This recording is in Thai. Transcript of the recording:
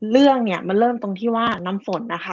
เรื่องเนี่ยมันเริ่มตรงที่ว่าน้ำฝนนะคะ